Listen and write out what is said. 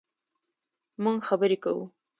مونږ خبرې کوو